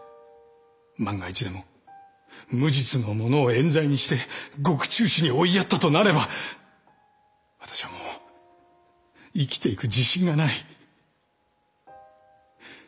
万が一でも無実の者をえん罪にして獄中死に追いやったとなれば私はもう生きていく自信がない。